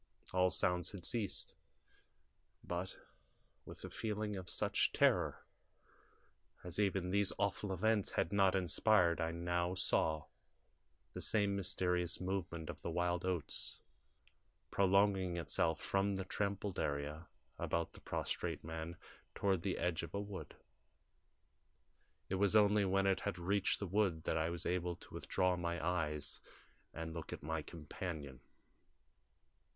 All sounds had ceased, but, with a feeling of such terror as even these awful events had not inspired, I now saw the same mysterious movement of the wild oats prolonging itself from the trampled area about the prostrate man toward the edge of a wood. It was only when it had reached the wood that I was able to withdraw my eyes and look at my companion.